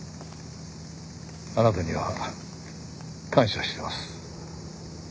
あなたには感謝してます。